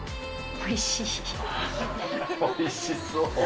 おいしそう。